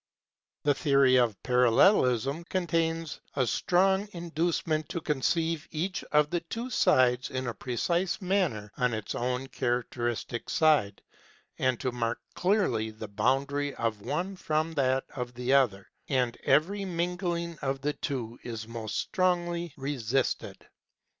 This theory of Parallelism contains a strong inducement to conceive each of the two sides in a precise manner on its own characteristic side, and to mark clearly the boundary of one from that of the other ; and every mingling of the two is most strongly resisted.